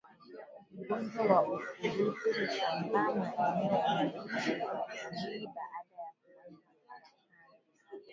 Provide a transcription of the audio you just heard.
Ugonjwa wa ukurutu husambaa maeneo mengine ya mwili baada ya kuanzia kwapani